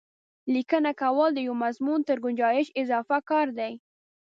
لیکنه کول د یوه مضمون تر ګنجایش اضافه کار دی.